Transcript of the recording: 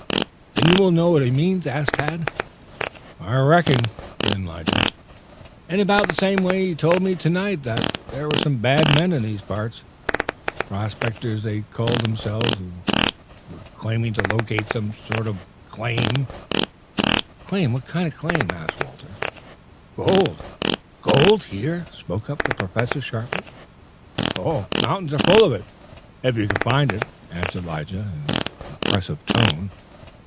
"And you will know what he means?" asked Tad. "I reckon," grinned Lige. "In about the same way he told me to night that there were some bad men in these parts prospectors they called themselves who were trying to locate some sort of a claim " "Claim? What kind?" asked Walter. "Gold." "Gold? Here?" spoke up the Professor sharply. "Mountains are full of it, if you can find it," answered Lige in an impressive tone.